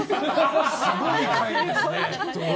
すごい会ですね。